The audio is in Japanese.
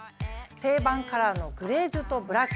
定番カラーのグレージュとブラック。